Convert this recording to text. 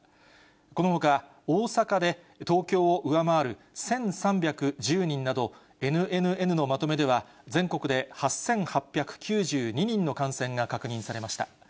このほか、大阪で東京を上回る１３１０人など、ＮＮＮのまとめでは全国で８８９２人の感染が確認されました。